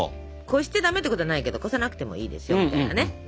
こしてダメってことはないけどこさなくてもいいですよみたいなね。